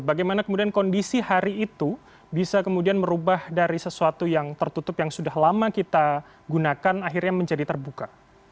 bagaimana kemudian kondisi hari itu bisa kemudian merubah dari sesuatu yang tertutup yang sudah lama kita gunakan akhirnya menjadi terbuka